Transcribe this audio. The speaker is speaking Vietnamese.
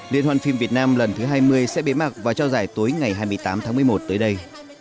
liên hoàn phim việt nam lần thứ hai mươi sẽ bế mạc và trao giải tối ngày hai mươi tám tháng một mươi một tới đây